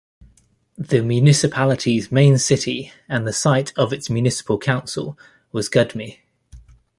The municipality's main city and the site of its municipal council was Gudme.